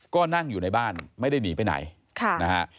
ก็นั่งอยู่ในบ้านไม่ได้หนีไปไหนนะฮะ